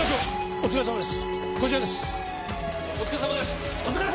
お疲れさまです。